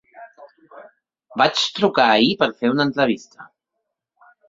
Vaig trucar ahir per fer una entrevista.